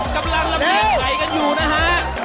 กำลังระเบียงไข่กันอยู่นะฮะ